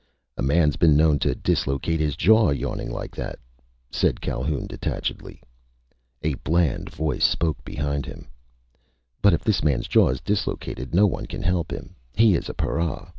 "A man's been known to dislocate his jaw, yawning like that," said Calhoun detachedly. A bland voice spoke behind him. "But if this man's jaw is dislocated, no one can help him. He is a para.